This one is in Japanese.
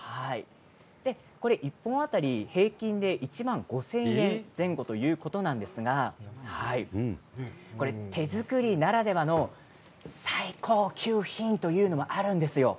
１本当たり平均で１万５０００円前後ということなんですが手作りならではの最高級品というのがあるんですよ。